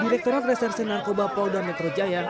direkturat reserse narkoba polda metro jaya